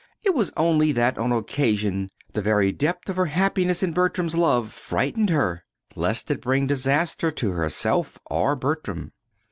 It was only that, on occasion, the very depth of her happiness in Bertram's love frightened her, lest it bring disaster to herself or Bertram.